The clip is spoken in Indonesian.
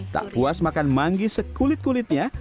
tak puas makan manggi sekulit kulitnya